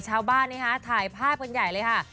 ชาวบ้านเนี้ยฮะถ่ายภาคกันใหญ่เลยฮะ